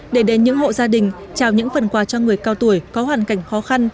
để đến những hộ gia đình trao những phần quà cho người cao tuổi có hoàn cảnh khó khăn